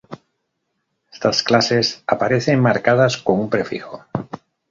Estas clases aparecen marcadas con un prefijo.